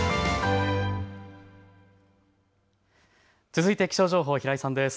続いて気象情報、平井さんです。